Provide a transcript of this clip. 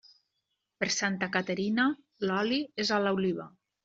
Per Santa Caterina, l'oli és a l'oliva.